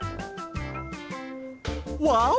ワオ！